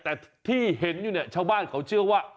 แต่ที่เห็นอยู่เนี่ยชาวบ้านเขาเชื่อว่า